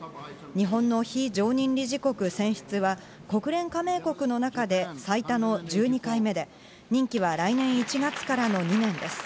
日本の非常任理事国選出は国連加盟国の中で最多の１２回目で、任期は来年１月からの２年です。